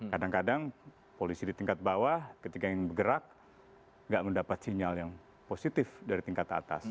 kadang kadang polisi di tingkat bawah ketika ingin bergerak nggak mendapat sinyal yang positif dari tingkat atas